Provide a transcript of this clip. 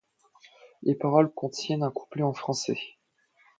Les paroles contiennent un couplet en français.